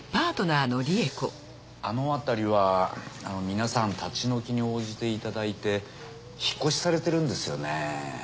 あのあたりは皆さん立ち退きに応じていただいて引っ越しされてるんですよね。